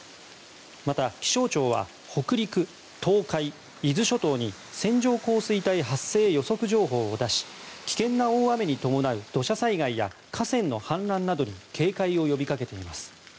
また、気象庁は北陸、東海、伊豆諸島に線状降水帯発生予測情報を出し危険な大雨に伴う土砂災害や河川の氾濫などに警戒を呼びかけています。